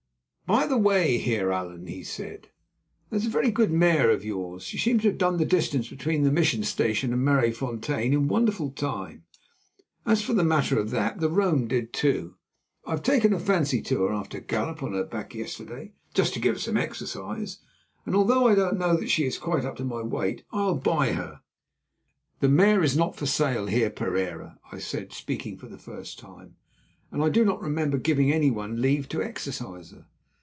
"By the way, Heer Allan," he said, "that is a very good mare of yours. She seems to have done the distance between the Mission Station and Maraisfontein in wonderful time, as, for the matter of that, the roan did too. I have taken a fancy to her, after a gallop on her back yesterday just to give her some exercise, and although I don't know that she is quite up to my weight, I'll buy her." "The mare is not for sale, Heer Pereira," I said, speaking for the first time, "and I do not remember giving anyone leave to exercise her."